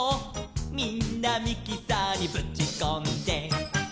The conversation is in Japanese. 「みんなミキサーにぶちこんで」